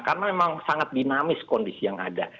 karena memang sangat dinamis kondisi yang ada